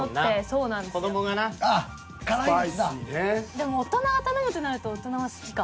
でも大人が頼むとなると大人は好きか。